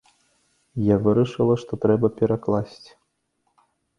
Я вырашыла, што трэба перакласці.